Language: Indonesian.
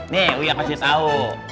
nih uya kasih tau